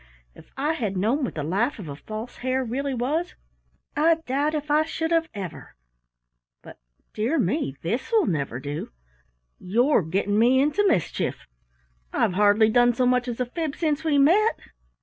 If I had known what the life of a False Hare really was, I doubt if I should have ever But, dear me, this will never do you're getting me into mischief! I've hardly done so much as a fib since we met."